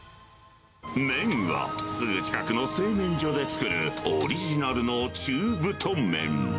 麺はすぐ近くの製麺所で作るオリジナルの中太麺。